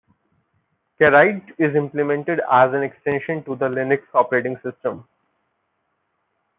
Kerrighed is implemented as an extension to the Linux operating system.